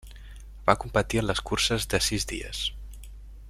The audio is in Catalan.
Va competir en les curses de sis dies.